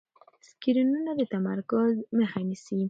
سکرینونه د تمرکز مخه نیسي.